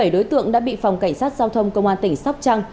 hai mươi bảy đối tượng đã bị phòng cảnh sát giao thông công an tỉnh sóc trăng